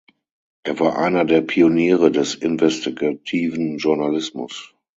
Er war einer der Pioniere des investigativen Journalismus.